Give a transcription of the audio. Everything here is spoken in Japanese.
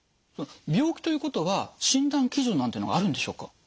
病気ということは診断基準なんてのがあるんでしょうか？